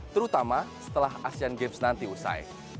terutama setelah asean games nanti usai